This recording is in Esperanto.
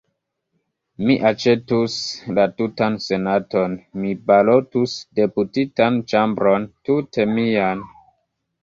Mi aĉetus la tutan senaton; mi balotus deputitan ĉambron tute mian!